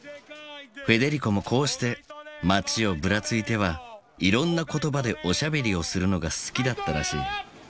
フェデリコもこうして街をぶらついてはいろんな言葉でおしゃべりをするのが好きだったらしい。